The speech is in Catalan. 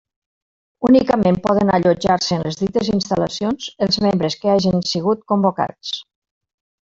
Únicament poden allotjar-se en les dites instal·lacions els membres que hagen sigut convocats.